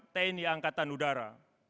tni angkatan udara